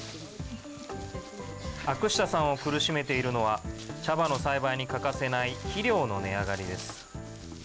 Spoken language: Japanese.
アクシタさんを苦しめているのは、茶葉の栽培に欠かせない肥料の値上がりです。